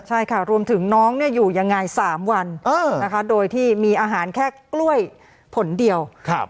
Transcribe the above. ใช่ค่ะรวมถึงน้องเนี่ยอยู่ยังไง๓วันนะคะโดยที่มีอาหารแค่กล้วยผลเดียว